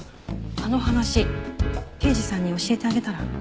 あの話刑事さんに教えてあげたら？